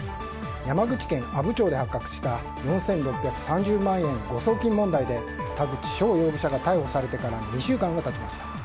山口県阿武町で発覚した４６３０万円誤送金問題で田口翔容疑者が逮捕されてから２週間が経ちました。